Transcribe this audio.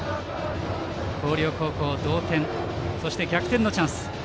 広陵高校、同点そして逆転のチャンス。